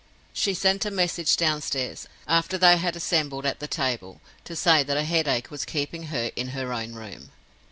She sent a message downstairs, after they had assembled at the table, to say that a headache was keeping her in her own room.